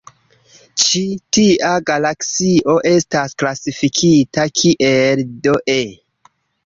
Ĉi tia galaksio estas klasifikita kiel dE.